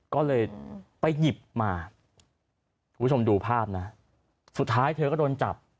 ก็เลยไปหยิบมาคุณผู้ชมดูภาพนะสุดท้ายเธอก็โดนจับ